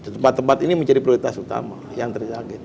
tempat tempat ini menjadi prioritas utama yang terjangkit